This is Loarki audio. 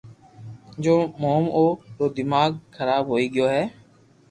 جو مون او رو دماغ خراب ھوئي گيو ھي